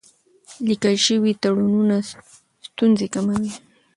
لیکل شوي تړونونه ستونزې کموي.